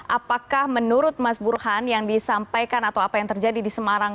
apakah menurut mas burhan yang disampaikan atau apa yang terjadi di semarang